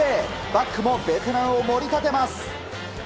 バックもベテランを盛り立てます。